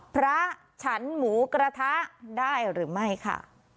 พระฉันหมูกระทะได้หรือไม่ค่ะ